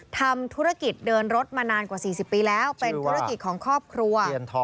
ทำธุรกิจเดินรถมานานกว่า๔๐ปีแล้วเป็นธุรกิจของครอบครัว